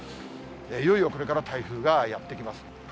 いよいよこれから台風がやって来ます。